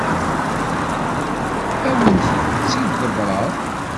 Ad awent-tt-id-ḍebbreɣ.